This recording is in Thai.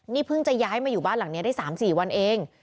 นี่เพิ่งจะย้ายมาอยู่บ้านหลังนี้ได้๓๔วันเอง